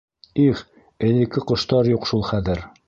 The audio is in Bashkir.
Их, элекке ҡоштар юҡ шул хәҙер!